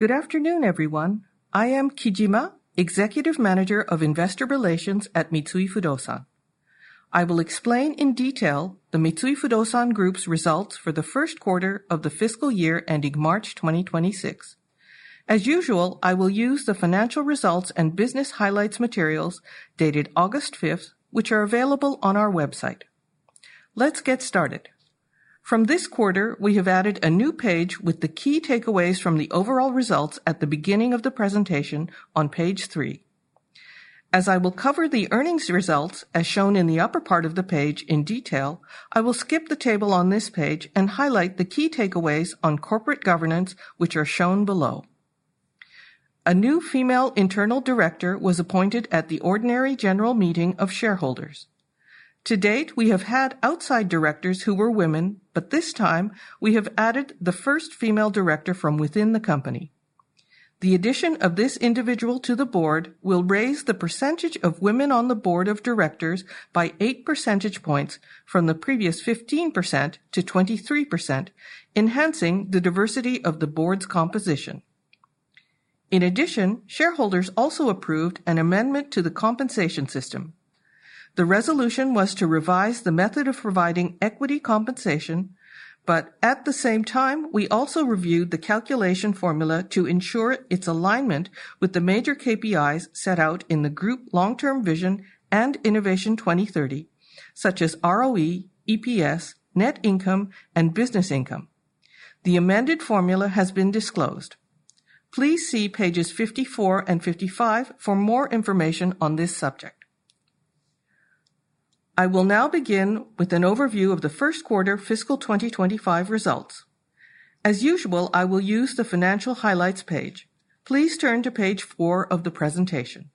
Good afternoon, everyone. I am Takeyuki Kijima, Executive Manager of Investor Relations at Mitsui Fudosan. I will explain in detail the Mitsui Fudosan Group's results for the first quarter of the fiscal year ending March 2026. As usual, I will use the financial results and business highlights materials dated August 5th, which are available on our website. Let's get started. From this quarter, we have added a new page with the key takeaways from the overall results at the beginning of the presentation on page 3. As I will cover the earnings results as shown in the upper part of the page in detail, I will skip the table on this page and highlight the key takeaways on corporate governance, which are shown below. A new female internal director was appointed at the ordinary general meeting of shareholders. To date, we have had outside directors who were women, but this time we have added the first female director from within the company. The addition of this individual to the board will raise the percentage of women on the board of directors by 8% from the previous 15% - 23%, enhancing the diversity of the board's composition. In addition, shareholders also approved an amendment to the compensation system. The resolution was to revise the method of providing equity compensation, but at the same time, we also reviewed the calculation formula to ensure its alignment with the major KPIs set out in the Group Long-Term Vision & Innovation 2030, such as ROE, EPS, Net Income, and Business Income. The amended formula has been disclosed. Please see pages 54 and 55 for more information on this subject. I will now begin with an overview of the first quarter fiscal 2025 results. As usual, I will use the financial highlights page. Please turn to page 4 of the presentation.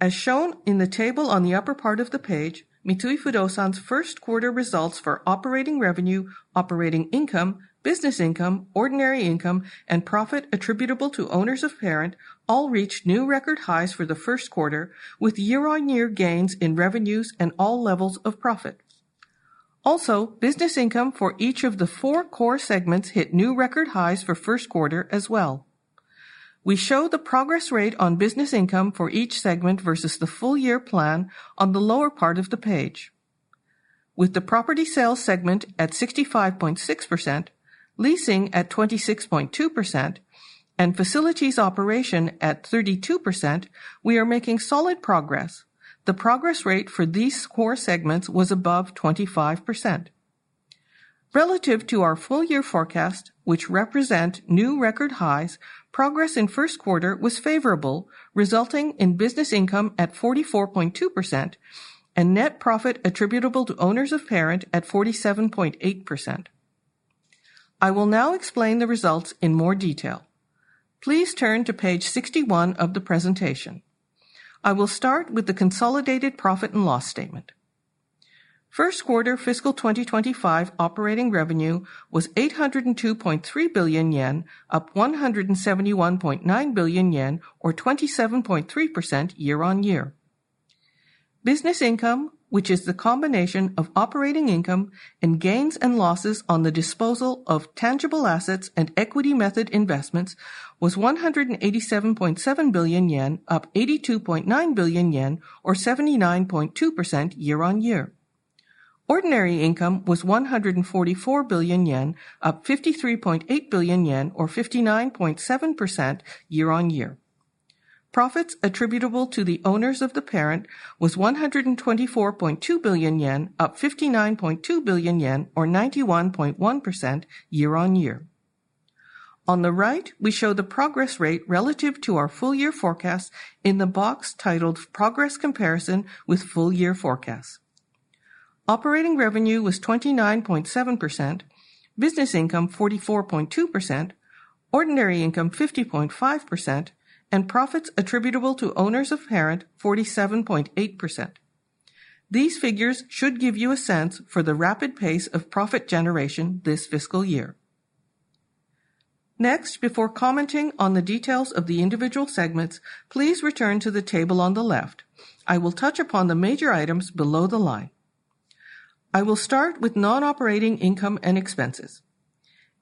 As shown in the table on the upper part of the page, Mitsui Fudosan's first quarter results for operating revenue, operating income, business income, ordinary income, and profit attributable to owners of parent all reached new record highs for the first quarter, with year-on-year gains in revenues and all levels of profit. Also, business income for each of the four core segments hit new record highs for the first quarter as well. We show the progress rate on business income for each segment versus the full-year plan on the lower part of the page. With the property sales segment at 65.6%, leasing at 26.2%, and facilities operation at 32%, we are making solid progress. The progress rate for these core segments was above 25%. Relative to our full-year forecast, which represents new record highs, progress in the first quarter was favorable, resulting in business income at 44.2% and net profit attributable to owners of parent at 47.8%. I will now explain the results in more detail. Please turn to page 61 of the presentation. I will start with the consolidated profit and loss statement. First quarter fiscal 2025 operating revenue was 802.3 billion yen, up 171.9 billion yen, or 27.3% year-on-year. Business income, which is the combination of operating income and gains and losses on the disposal of tangible assets and equity method investments, was 187.7 billion yen, up 82.9 billion yen, or 79.2% year-on-year. Ordinary income was 144 billion yen, up 53.8 billion yen, or 59.7% year-on-year. Profit attributable to owners of parent was 124.2 billion yen, up 59.2 billion yen, or 91.1% year-on-year. On the right, we show the progress rate relative to our full-year forecast in the box titled "Progress Comparison with Full-Year Forecast." Operating revenue was 29.7%, business income 44.2%, ordinary income 50.5%, and profit attributable to owners of parent 47.8%. These figures should give you a sense for the rapid pace of profit generation this fiscal year. Next, before commenting on the details of the individual segments, please return to the table on the left. I will touch upon the major items below the line. I will start with non-operating income and expenses.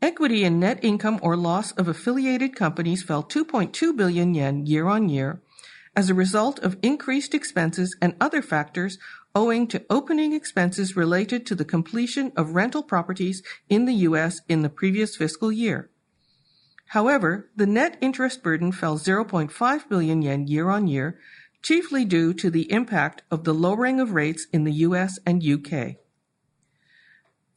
Equity and net income or loss of affiliated companies fell 2.2 billion yen year-on-year as a result of increased expenses and other factors owing to opening expenses related to the completion of rental properties in the U.S. in the previous fiscal year. However, the net interest burden fell 0.5 billion yen year-on-year, chiefly due to the impact of the lowering of rates in the U.S. and U.K.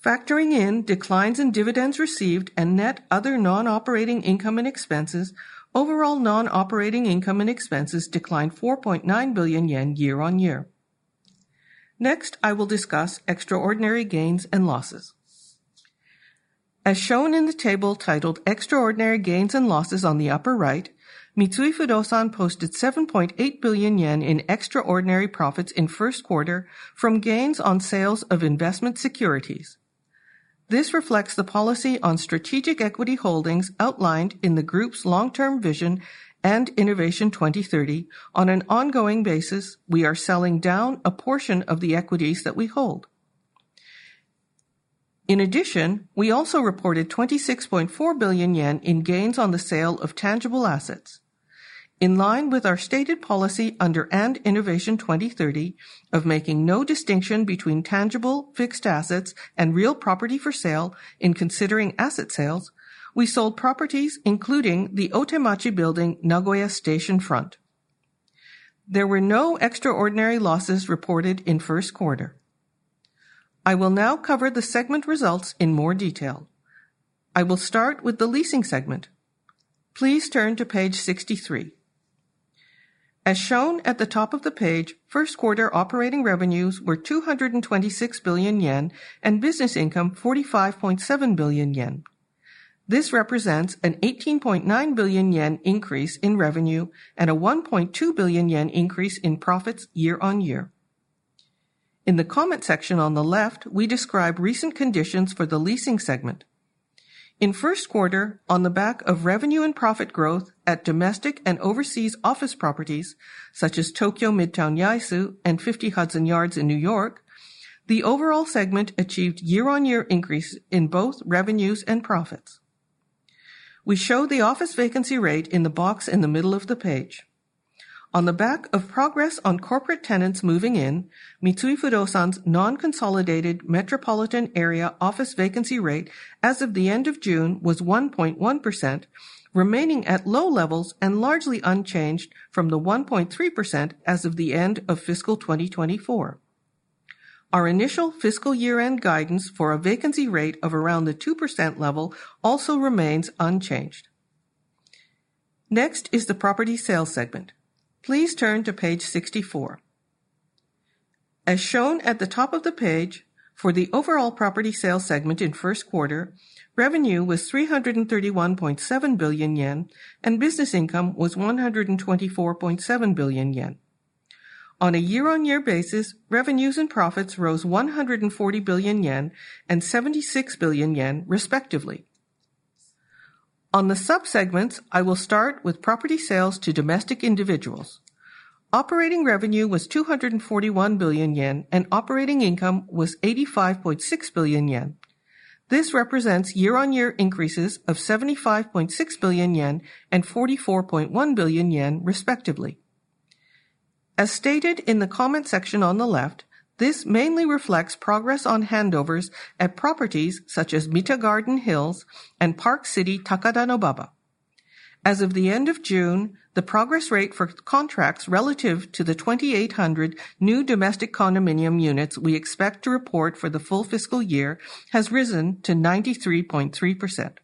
Factoring in declines in dividends received and net other non-operating income and expenses, overall non-operating income and expenses declined 4.9 billion yen year-on-year. Next, I will discuss extraordinary gains and losses. As shown in the table titled "Extraordinary Gains and Losses" on the upper right, Mitsui Fudosan posted 7.8 billion yen in extraordinary profits in the first quarter from gains on sales of investment securities. This reflects the policy on strategic equity holdings outlined in the Group's Long-Term Vision & Innovation 2030. On an ongoing basis, we are selling down a portion of the equities that we hold. In addition, we also reported 26.4 billion yen in gains on the sale of tangible assets. In line with our stated policy under & Innovation 2030 of making no distinction between tangible, fixed assets, and real property for sale in considering asset sales, we sold properties including the Otemachi Building, Nagoya Station Front. There were no extraordinary losses reported in the first quarter. I will now cover the segment results in more detail. I will start with the leasing segment. Please turn to page 63. As shown at the top of the page, first quarter operating revenues were 226 billion yen and business income 45.7 billion yen. This represents an 18.9 billion yen increase in revenue and a 1.2 billion yen increase in profits year-on-year. In the comment section on the left, we describe recent conditions for the leasing segment. In the first quarter, on the back of revenue and profit growth at domestic and overseas office properties, such as Tokyo Midtown Yaesu and 50 Hudson Yards in New York, the overall segment achieved year-on-year increases in both revenues and profits. We show the office vacancy rate in the box in the middle of the page. On the back of progress on corporate tenants moving in, Mitsui Fudosan's non-consolidated metropolitan area office vacancy rate as of the end of June was 1.1%, remaining at low levels and largely unchanged from the 1.3% as of the end of fiscal 2024. Our initial fiscal year-end guidance for a vacancy rate of around the 2% level also remains unchanged. Next is the property sales segment. Please turn to page 64. As shown at the top of the page, for the overall property sales segment in the first quarter, revenue was 331.7 billion yen and business income was 124.7 billion yen. On a year-on-year basis, revenues and profits rose 140 billion yen and 76 billion yen, respectively. On the subsegments, I will start with property sales to domestic individuals. Operating revenue was 241 billion yen and operating income was 85.6 billion yen. This represents year-on-year increases of 75.6 billion yen and 44.1 billion yen, respectively. As stated in the comment section on the left, this mainly reflects progress on handovers at properties such as Mita Garden Hills and Park City Takadanobaba. As of the end of June, the progress rate for contracts relative to the 2,800 new domestic condominium units we expect to report for the full fiscal year has risen to 93.3%.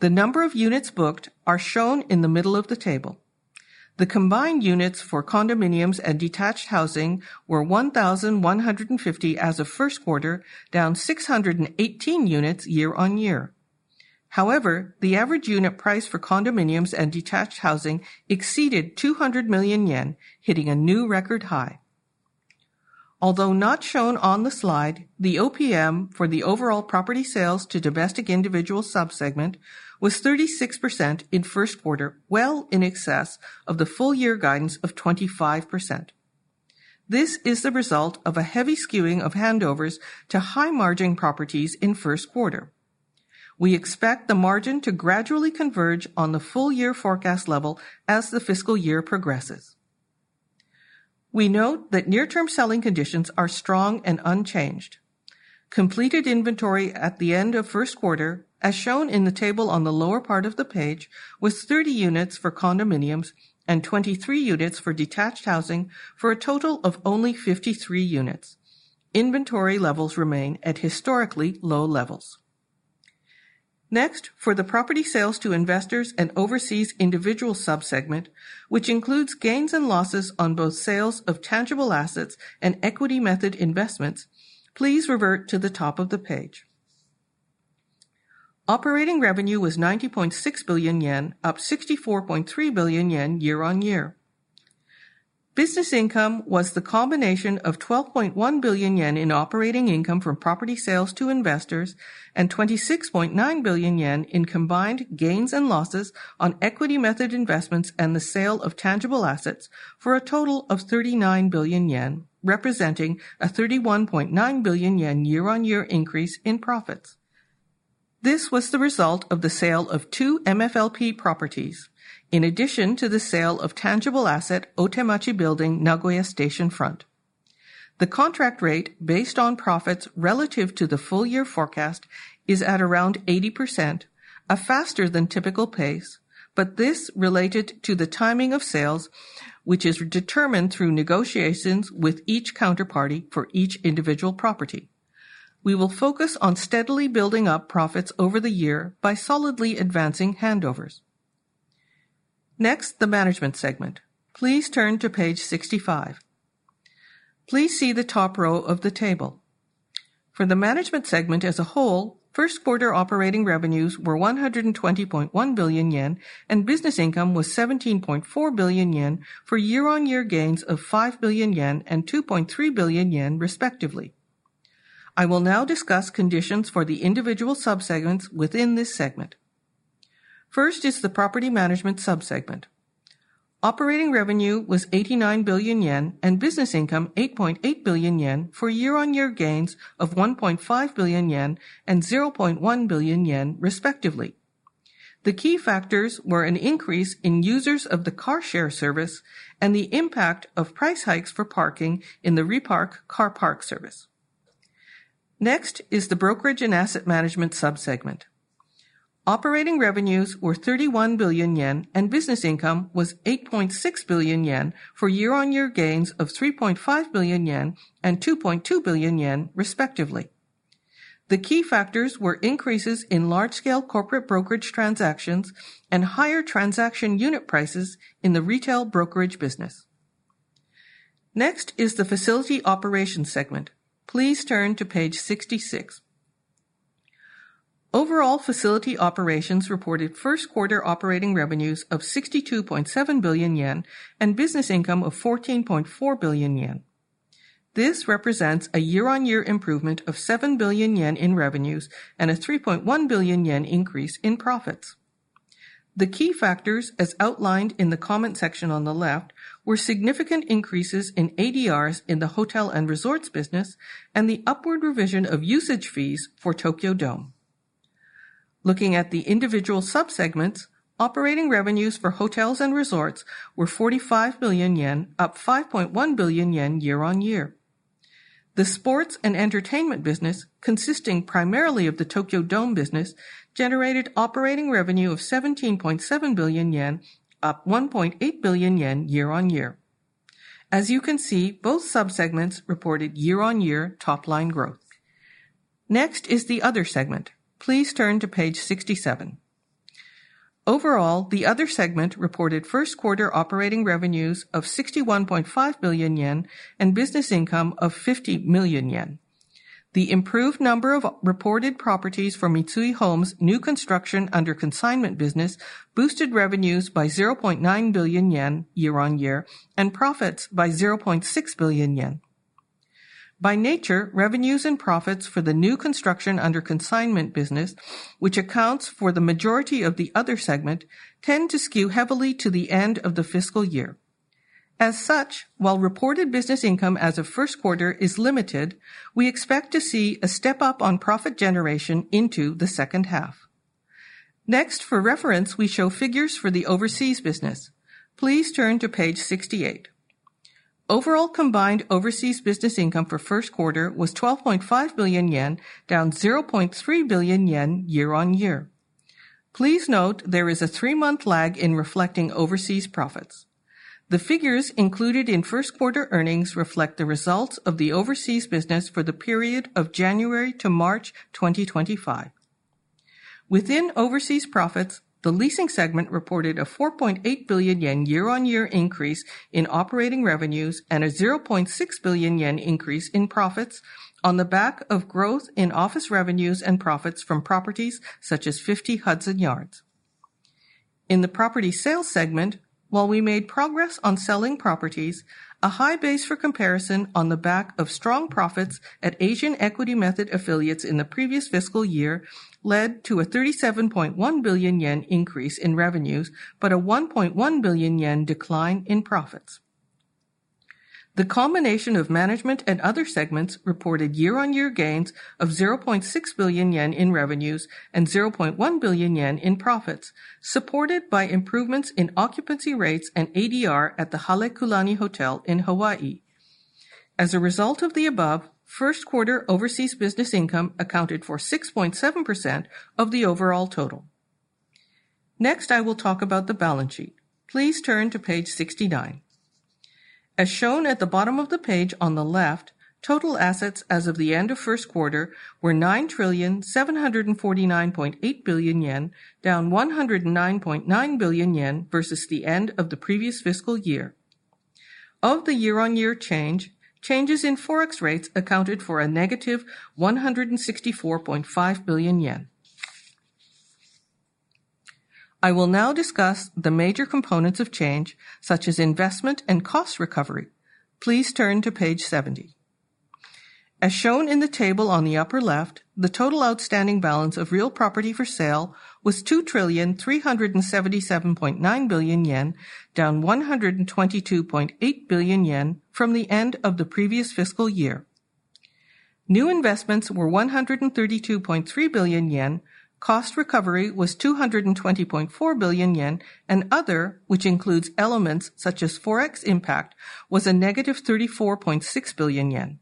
The number of units booked is shown in the middle of the table. The combined units for condominiums and detached housing were 1,150 as of the first quarter, down 618 units year-on-year. However, the average unit price for condominiums and detached housing exceeded 200 million yen, hitting a new record high. Although not shown on the slide, the OPM for the overall property sales to domestic individuals subsegment was 36% in the first quarter, well in excess of the full-year guidance of 25%. This is the result of a heavy skewing of handovers to high-margin properties in the first quarter. We expect the margin to gradually converge on the full-year forecast level as the fiscal year progresses. We note that near-term selling conditions are strong and unchanged. Completed inventory at the end of the first quarter, as shown in the table on the lower part of the page, was 30 units for condominiums and 23 units for detached housing, for a total of only 53 units. Inventory levels remain at historically low levels. Next, for the property sales to investors and overseas individuals subsegment, which includes gains and losses on both sales of tangible assets and equity method investments, please revert to the top of the page. Operating revenue was 90.6 billion yen, up 64.3 billion yen year-on-year. Business income was the combination of 12.1 billion yen in operating income from property sales to investors and 26.9 billion yen in combined gains and losses on equity method investments and the sale of tangible assets, for a total of 39 billion yen, representing a 31.9 billion yen year-on-year increase in profits. This was the result of the sale of two MFLP properties, in addition to the sale of tangible asset Otemachi Building, Nagoya Station Front. The contract rate, based on profits relative to the full-year forecast, is at around 80%, a faster-than-typical pace, but this is related to the timing of sales, which is determined through negotiations with each counterparty for each individual property. We will focus on steadily building up profits over the year by solidly advancing handovers. Next, the management segment. Please turn to page 65. Please see the top row of the table. For the management segment as a whole, first quarter operating revenues were 120.1 billion yen and business income was 17.4 billion yen, for year-on-year gains of 5 billion yen and 2.3 billion yen, respectively. I will now discuss conditions for the individual subsegments within this segment. First is the property management subsegment. Operating revenue was 89 billion yen and business income 8.8 billion yen, for year-on-year gains of 1.5 billion yen and 0.1 billion yen, respectively. The key factors were an increase in users of the car share service and the impact of price hikes for parking in the RePark Car Park service. Next is the brokerage and asset management subsegment. Operating revenues were 31 billion yen and business income was 8.6 billion yen, for year-on-year gains of 3.5 billion yen and 2.2 billion yen, respectively. The key factors were increases in large-scale corporate brokerage transactions and higher transaction unit prices in the retail brokerage business. Next is the facility operations segment. Please turn to page 66. Overall, facility operations reported first quarter operating revenues of 62.7 billion yen and business income of 14.4 billion yen. This represents a year-on-year improvement of 7 billion yen in revenues and a 3.1 billion yen increase in profits. The key factors, as outlined in the comment section on the left, were significant increases in ADRs in the hotel and resorts business and the upward revision of usage fees for Tokyo Dome. Looking at the individual subsegments, operating revenues for hotels and resorts were 45 billion yen, up 5.1 billion yen year-on-year. The sports and entertainment business, consisting primarily of the Tokyo Dome business, generated operating revenue of 17.7 billion yen, up 1.8 billion yen year-on-year. As you can see, both subsegments reported year-on-year top-line growth. Next is the other segment. Please turn to page 67. Overall, the other segment reported first quarter operating revenues of 61.5 billion yen and business income of 0.05 billion yen. The improved number of reported properties for Mitsui Homes' new construction under consignment business boosted revenues by 0.9 billion yen year-on-year and profits by 0.6 billion yen. By nature, revenues and profits for the new construction under consignment business, which accounts for the majority of the other segment, tend to skew heavily to the end of the fiscal year. As such, while reported business income as of the first quarter is limited, we expect to see a step up on profit generation into the second half. Next, for reference, we show figures for the overseas business. Please turn to page 68. Overall combined overseas business income for the first quarter was 12.5 billion yen, down 0.3 billion yen year-on-year. Please note there is a three-month lag in reflecting overseas profits. The figures included in first quarter earnings reflect the results of the overseas business for the period of January to March 2025. Within overseas profits, the leasing segment reported a 4.8 billion yen year-on-year increase in operating revenues and a 0.6 billion yen increase in profits on the back of growth in office revenues and profits from properties such as 50 Hudson Yards. In the property sales segment, while we made progress on selling properties, a high base for comparison on the back of strong profits at Asian equity method affiliates in the previous fiscal year led to a 37.1 billion yen increase in revenues, but a 1.1 billion yen decline in profits. The combination of management and other segments reported year-on-year gains of 0.6 billion yen in revenues and 0.1 billion yen in profits, supported by improvements in occupancy rates and ADR at the Halekulani Hotel in Hawaii. As a result of the above, first quarter overseas business income accounted for 6.7% of the overall total. Next, I will talk about the balance sheet. Please turn to page 69. As shown at the bottom of the page on the left, total assets as of the end of the first quarter were 9,749.8 billion yen, down 109.9 billion yen versus the end of the previous fiscal year. Of the year-on-year change, changes in forex rates accounted for a -164.5 billion yen. I will now discuss the major components of change, such as investment and cost recovery. Please turn to page 70. As shown in the table on the upper left, the total outstanding balance of real property for sale was 2,377.9 billion yen, down 122.8 billion yen from the end of the previous fiscal year. New investments were 132.3 billion yen, cost recovery was 220.4 billion yen, and other, which includes elements such as forex impact, was a -34.6 billion yen.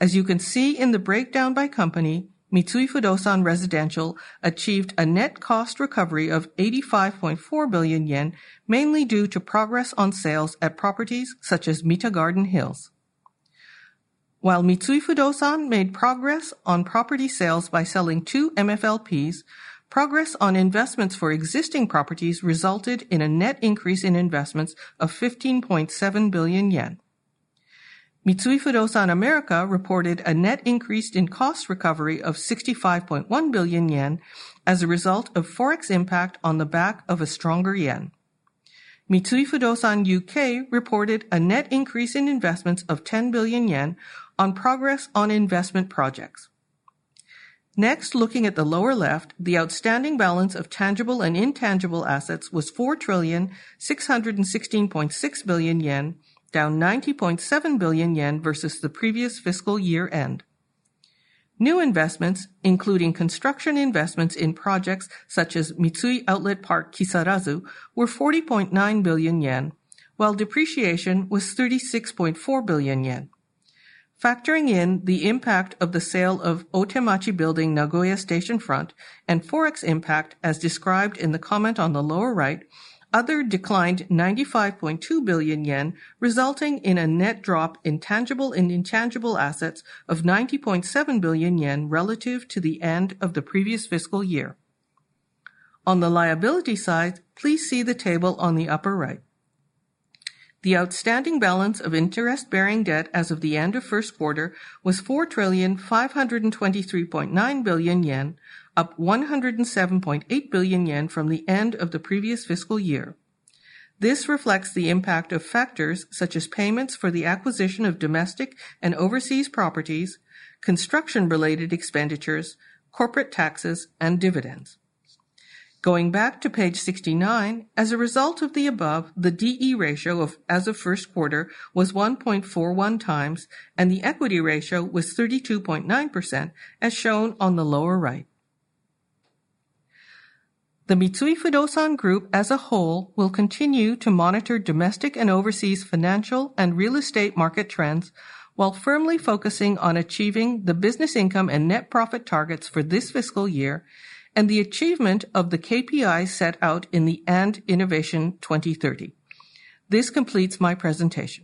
As you can see in the breakdown by company, Mitsui Fudosan Residential achieved a net cost recovery of 85.4 billion yen, mainly due to progress on sales at properties such as Mita Garden Hills. While Mitsui Fudosan made progress on property sales by selling two MFLPs, progress on investments for existing properties resulted in a net increase in investments of 15.7 billion yen. Mitsui Fudosan America reported a net increase in cost recovery of 65.1 billion yen as a result of forex effects on the back of a stronger yen. Mitsui Fudosan U.K. reported a net increase in investments of 10 billion yen on progress on investment projects. Next, looking at the lower left, the outstanding balance of tangible and intangible assets was 4,616.6 billion yen, down 90.7 billion yen versus the previous fiscal year end. New investments, including construction investments in projects such as Mitsui Outlet Park Kisarazu, were 40.9 billion yen, while depreciation was 36.4 billion yen. Factoring in the impact of the sale of Otemachi Building, Nagoya Station Front, and forex effects, as described in the comment on the lower right, other declined 95.2 billion yen, resulting in a net drop in tangible and intangible assets of 90.7 billion yen relative to the end of the previous fiscal year. On the liability side, please see the table on the upper right. The outstanding balance of interest-bearing debt as of the end of the first quarter was 4,523.9 billion yen, up 107.8 billion yen from the end of the previous fiscal year. This reflects the impact of factors such as payments for the acquisition of domestic and overseas properties, construction-related expenditures, corporate taxes, and dividends. Going back to page 69, as a result of the above, the D/E ratio as of the first quarter was 1.41x, and the equity ratio was 32.9%, as shown on the lower right. The Mitsui Fudosan Group as a whole will continue to monitor domestic and overseas financial and real estate market trends, while firmly focusing on achieving the business income and net profit targets for this fiscal year and the achievement of the KPIs set out in the & Innovation 2030. This completes my presentation.